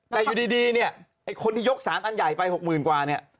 แต่อยู่ดีเนี่ยไอ้คนที่ยกสารอันใหญ่ไป๖๐๐๐กว่าเนี่ย